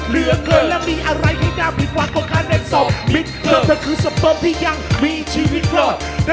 และเธอยังเคยตั้งใครวันนี้เธอยืนเองได้หกลงจะสักเท่าไหร่